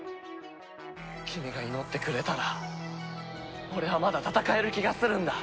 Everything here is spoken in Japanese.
君が祈ってくれたら俺はまだ戦える気がするんだ。